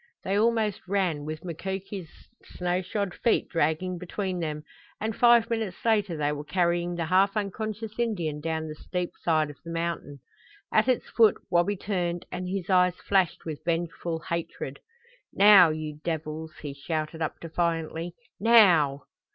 They almost ran, with Mukoki's snow shod feet dragging between them, and five minutes later they were carrying the half unconscious Indian down the steep side of the mountain. At its foot Wabi turned, and his eyes flashed with vengeful hatred. "Now, you devils!" he shouted up defiantly. "Now!"